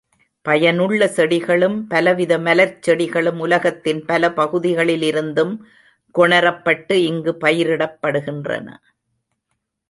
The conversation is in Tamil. பயனுள்ள செடிகளும், பலவித மலர்ச் செடிகளும் உலகத்தின் பல பகுதிகளிலிருந்தும் கொணரப்பட்டு இங்குப் பயிரிடப்படுகின்றன.